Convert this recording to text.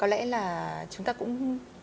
có lẽ là chúng ta cũng